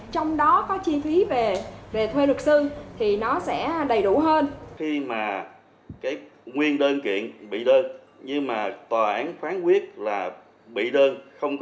trong đó có chi phí về thuê luật sư thì nó sẽ đầy đủ hơn